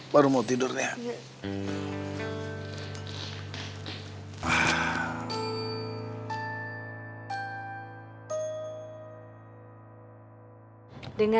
baru mau tidurnya